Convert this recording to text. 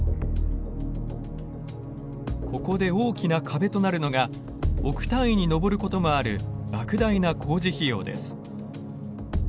ここで大きな壁となるのが億単位に上ることもあるばく大な工事費用です。